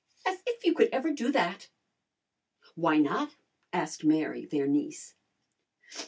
"As if you could ever do that!" "Why not?" asked Mary, their niece.